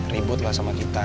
ribut lah sama kita